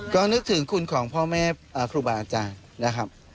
ก็นึกถึงคุณของพ่อแม่ครูบาอาจารย์นะครับ